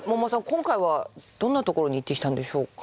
今回はどんな所に行ってきたんでしょうか？